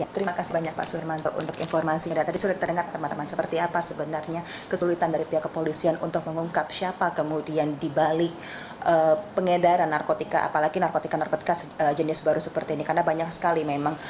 terima kasih banyak pak surmanto untuk informasinya dan tadi sudah terdengar teman teman seperti apa sebenarnya kesulitan dari pihak kepolisian untuk mengungkap siapa kemudian dibalik pengedaran narkotika apalagi narkotika narkotika jenis baru seperti ini karena banyak sekali memang